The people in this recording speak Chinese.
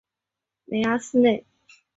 梅阿斯内。